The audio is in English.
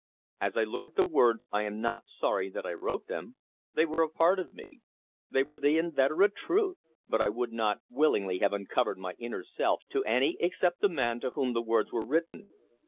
As I look at the words I am not sorry that I wrote them. They were a part of me. They were the inveterate truth, but I would not willingly have uncovered my inner self to any except the man to whom the words were written.